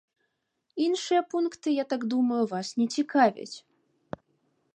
Іншыя пункты, я так думаю, вас не цікавяць.